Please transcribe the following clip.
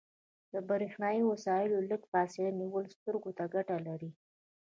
له بریښنایي وسایلو لږه فاصله نیول سترګو ته ګټه لري.